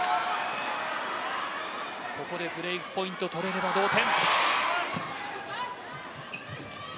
ここでブレークポイント取れれば同点。